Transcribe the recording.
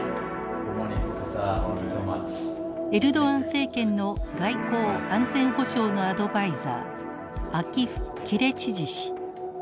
エルドアン政権の外交・安全保障のアドバイザーアキフ・キレチジ氏。